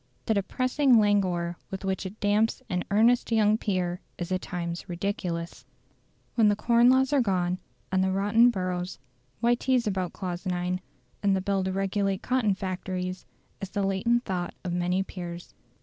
The depressing languor with which it damps an earnest young peer is at times ridiculous. "When the Corn Laws are gone, and the rotten boroughs, why tease about Clause IX. in the Bill to regulate Cotton Factories?" is the latent thought of many peers.